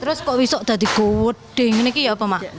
terus kok besok sudah di gudeng ini apa mak